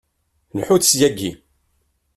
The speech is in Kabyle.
Lḥut syagi!